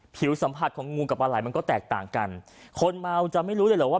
ผิวสัมผัสของงูกับปลาไหล่มันก็แตกต่างกันคนเมาจะไม่รู้เลยเหรอว่า